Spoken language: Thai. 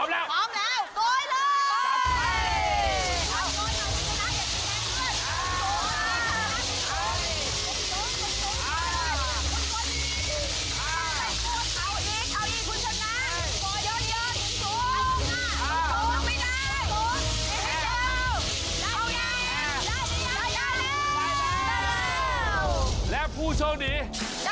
พร้อมนะคุณชนะพร้อมไหมคะ